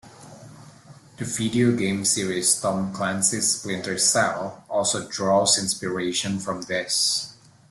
The video game series "Tom Clancy's Splinter Cell" also draws inspiration from this.